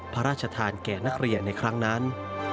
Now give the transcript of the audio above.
พระราชทานแก่นักเรียนในครั้งนั้น